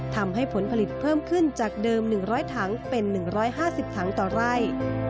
ผลผลิตเพิ่มขึ้นจากเดิม๑๐๐ถังเป็น๑๕๐ถังต่อไร่